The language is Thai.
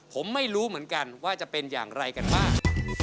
ผมไม่รู้เหมือนกันว่าจะเป็นอย่างไรกันบ้าง